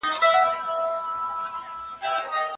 استاد وویل چي خپلو شاګردانو ته پوره خپلواکي ورکړئ.